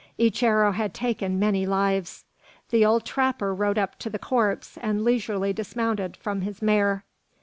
Each arrow had taken many lives! The old trapper rode up to the corpse, and leisurely dismounted from his mare.